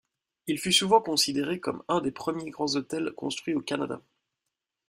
Il fut souvent considéré comme un des premiers grands hôtels construits au Canada.